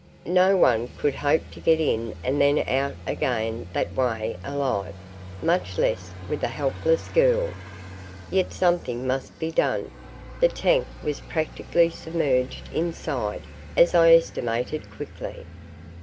No one could hope to get in and then out again that way alive much less with a helpless girl. Yet something must be done. The tank was practically submerged inside, as I estimated quickly.